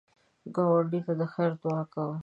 ګاونډي ته د خیر دعا کوه